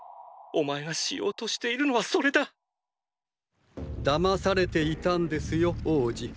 お前がしようとしているのはそれだ騙されていたんですよ王子。